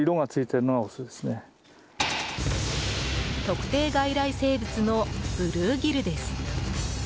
特定外来生物のブルーギルです。